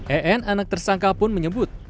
en anaktersangka pun menyebut